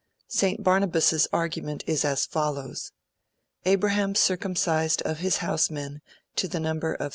St. Barnabas's argument is as follows: Abraham circumcised of his house men to the number of 318.